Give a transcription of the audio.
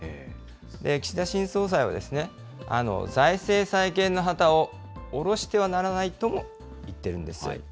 岸田新総裁は、財政再建の旗を下ろしてはならないとも言ってるんです。